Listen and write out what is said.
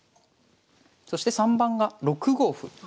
そして３番が６五歩。